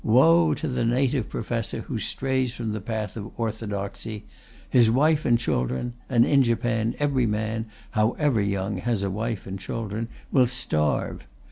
Woe to the native professor who strays from the path of orthodoxy. His wife and children (and in Japan every man, however young, has a wife and children) will starve.